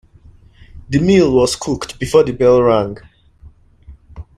The meal was cooked before the bell rang.